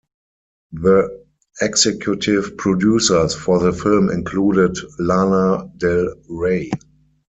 The executive producers for the film included Lana Del Rey.